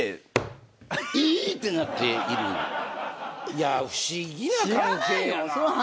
いや不思議な関係やな。